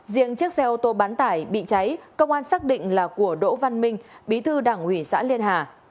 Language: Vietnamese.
riêng chiếc xe ô tô bán tải bị cháy công an xác định là của đỗ văn minh bí thư đảng ủy xã liên hà